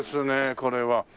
これは？